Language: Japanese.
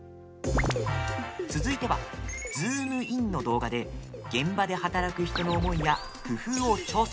続いては、ズームインの動画で現場で働く人の思いや工夫を調査。